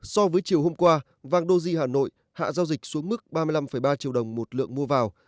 so với chiều hôm qua vàng doji hà nội hạ giao dịch xuống mức ba mươi năm ba triệu đồng một lượng mua vào